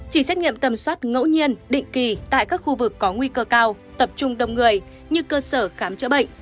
chỉ xét nghiệm tầm soát ngẫu nhiên định kỳ tại các khu vực có nguy cơ cao tập trung đông người như cơ sở khám chữa bệnh